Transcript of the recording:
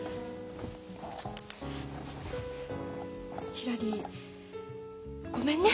ひらりごめんね。